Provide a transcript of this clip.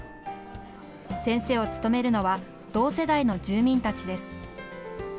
先生を務めるのは同世代の住民たちです。